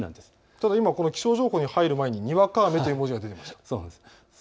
ただ今、この気象情報に入る前ににわか雨という文字もありました。